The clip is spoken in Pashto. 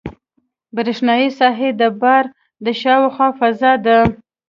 برېښنایي ساحه د بار د شاوخوا فضا ده.